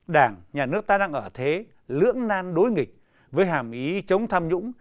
đảng nhà nước ta đang ở thế lưỡng nan đối nghịch với hàm ý chống tham nhũng